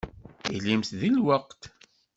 Ilimt deg lweqt.